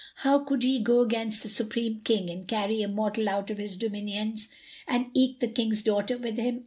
How could ye go against the Supreme King and carry a mortal out of his dominions, and eke the King's daughter with him?'